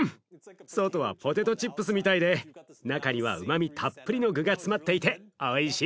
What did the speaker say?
外はポテトチップスみたいで中にはうまみたっぷりの具が詰まっていておいしい。